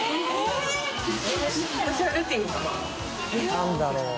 何だろう？